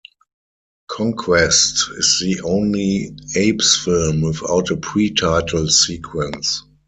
"Conquest" is the only Apes film without a pre-title sequence.